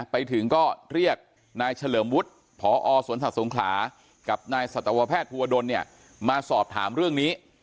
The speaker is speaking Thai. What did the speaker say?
ไปถึงก็เรียกนายเฉลิมวุฒิพอสวนสัตว์สงขลากับนายสัตวแพทย์ภูวดลเนี่ยมาสอบถามเรื่องนี้